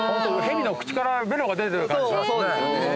巳の口からべろが出てる感じします。